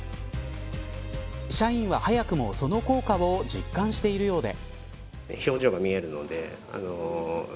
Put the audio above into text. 社員は早くも、その効果を実感してるようで。